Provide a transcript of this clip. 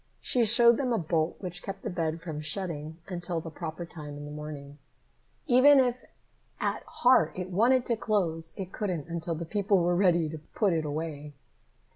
She showed them a bolt which kept the bed from shutting until the proper time in the morning. Even if at heart it wanted to close, it couldn't until the people were ready to put it away.